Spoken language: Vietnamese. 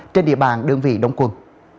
trên địa bàn đơn vị đông quân